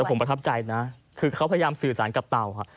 แต่ผมประทับใจกับคือเค้าพยายามสื่อสารกับเต่าค่ะ